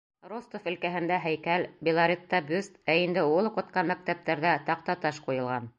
— Ростов өлкәһендә — һәйкәл, Белоретта — бюст, ә инде ул уҡытҡан мәктәптәрҙә таҡтаташ ҡуйылған.